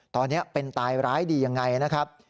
ตอนนี้เป็นตายร้ายดียังไงนะครับ